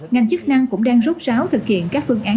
ngành chức năng cũng đang rốt ráo thực hiện các phương án